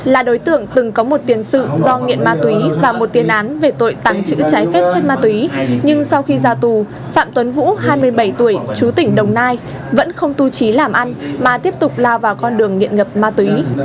là đối tượng từng có một tiền sự do nghiện ma túy và một tiên án về tội tàng trữ trái phép chất ma túy nhưng sau khi ra tù phạm tuấn vũ hai mươi bảy tuổi chú tỉnh đồng nai vẫn không tu trí làm ăn mà tiếp tục lao vào con đường nghiện ngập ma túy